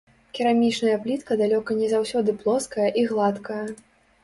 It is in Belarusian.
Керамічная плітка далёка не заўсёды плоская і гладкая.